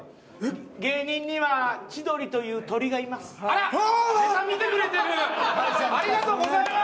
芸人には千鳥という鳥がいます。